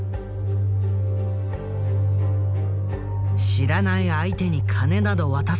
知らない相手に金など渡せない。